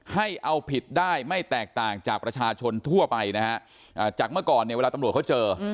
ให้เอาผิดได้ไม่แตกต่างจากประชาชนทั่วไปนะฮะจากเมื่อก่อนเนี่ยเวลาตำรวจเขาเจอ